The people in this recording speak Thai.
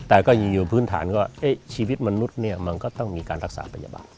แต่ก็อยู่พื้นฐานก็ชีวิตมนุษย์เนี่ยมันก็ต้องมีการรักษาพยาบาล